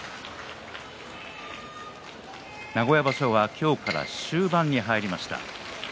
名古屋場所は今日から終盤に入りました。